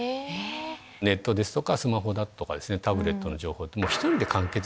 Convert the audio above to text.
ネットですとかスマホだとかタブレットの情報。